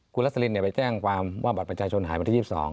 คุณลักษณีย์ไปแจ้งว่าบัตรประชาชนหายวันที่๒๒